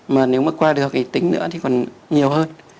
mà nếu mà qua được cái tính nữa thì còn nhiều hơn